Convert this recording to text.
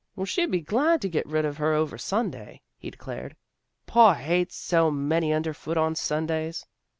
Why, she'll be glad to get rid of her over Sunday," he declared. " Pa hates so many underfoot on Sundays."